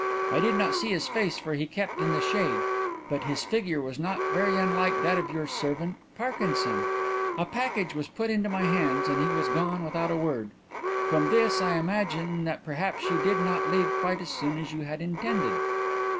I did not see his face for he kept in the shade, but his figure was not very unlike that of your servant Parkinson. A packet was put into my hands and he was gone without a word. From this I imagine that perhaps you did not leave quite as soon as you had intended.